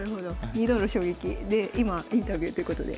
２度の衝撃で今インタビューということで。